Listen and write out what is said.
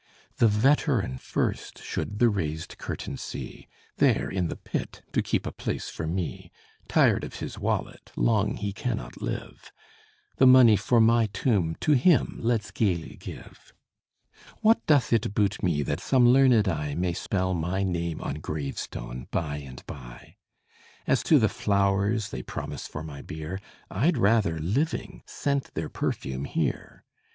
The veteran first should the raised curtain see There in the pit to keep a place for me, (Tired of his wallet, long he cannot live) The money for my tomb to him let's gayly give! What doth it boot me, that some learned eye May spell my name on gravestone, by and by? As to the flowers they promise for my bier, I'd rather, living, scent their perfume here.